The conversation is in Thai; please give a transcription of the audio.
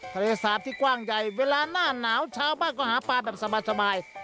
ทะเลสาบที่กว้างใหญ่เวลาหน้าหนาวชาวบ้านก็หาปลาแบบสบาย